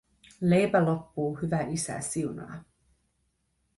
Leipä loppuu, hyvä isä siunaa.